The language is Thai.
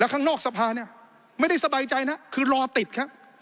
ข้างนอกสภาเนี่ยไม่ได้สบายใจนะคือรอติดครับ